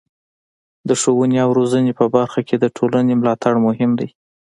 د ښوونې او روزنې په برخه کې د ټولنې ملاتړ مهم دی.